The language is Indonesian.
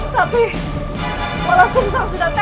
tapi walang sungsang sudah tewas